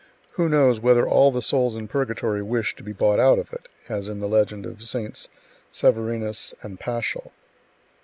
Who knows whether all the souls in purgatory wish to be bought out of it, as in the legend of Sts. Severinus and Paschal.